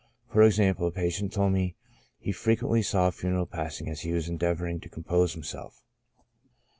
For example, a patient told me he frequently saw a funeral passing as he was endeavoring to compose himself.